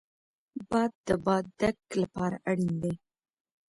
باد د بادک لپاره اړین دی